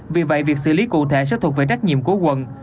vì vậy việc xử lý cụ thể sẽ thuộc về trách nhiệm của quận